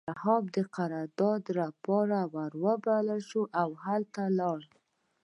شواب د قرارداد لپاره وبلل شو او هلته لاړ